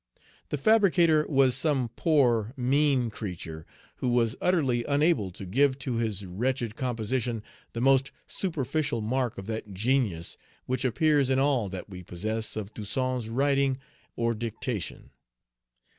The fabricator was some poor, mean creature, who was utterly unable to give to his wretched composition the most superficial mark of that genius which appears in all that we possess of Toussaint's writing or dictation.